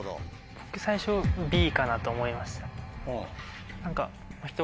最初Ｂかなと思いました。